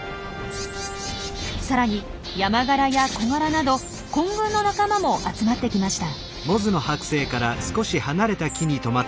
さらにヤマガラやコガラなど混群の仲間も集まってきました。